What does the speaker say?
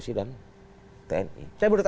di sidang negara country